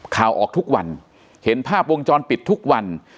ข่าวออกทุกวันเห็นภาพวงจรปิดทุกวัน